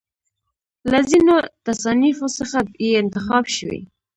له ځینو تصانیفو څخه یې انتخاب شوی.